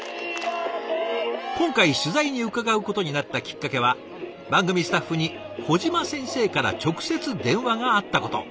今回取材に伺うことになったきっかけは番組スタッフに小島先生から直接電話があったこと。